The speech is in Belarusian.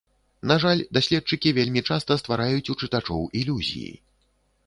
На жаль, даследчыкі вельмі часта ствараюць у чытачоў ілюзіі.